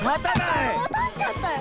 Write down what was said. たっちゃったよ。